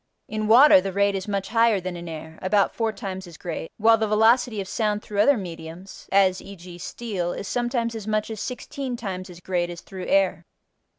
In water the rate is much higher than in air (about four times as great) while the velocity of sound through other mediums (as e.g., steel) is sometimes as much as sixteen times as great as through air.